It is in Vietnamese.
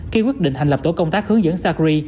khi quyết định thành lập tổ công tác hướng dẫn sacri